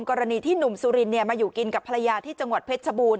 กรณีที่หนุ่มสุรินมาอยู่กินกับภรรยาที่จังหวัดเพชรชบูรณ